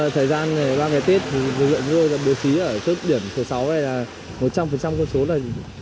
trong thời gian ba ngày tết dựa nhuôi bố trí ở trước điểm số sáu đây là một trăm linh con số là